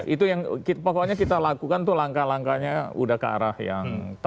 itu yang pokoknya kita lakukan tuh langkah langkahnya udah ke arah yang